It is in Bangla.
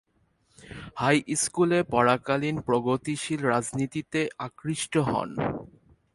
হাইস্কুলে পড়াকালীন প্রগতিশীল রাজনীতিতে আকৃষ্ট হন।